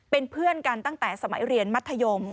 เป็นเพื่อนกันตั้งแต่สมัยเรียนมัธยม